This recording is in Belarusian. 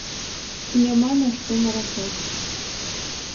Няма на што наракаць.